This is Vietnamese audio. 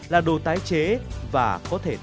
là đồ tái chế và có thể tái chế